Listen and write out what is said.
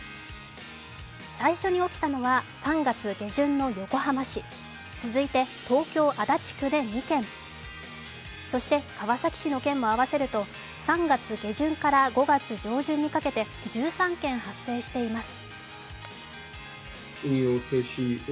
最初に起きたのは３月下旬の横浜市続いて東京・足立区で２件、そして川崎市の件も合わせると３月下旬から５月上旬にかけて１３件発生しています。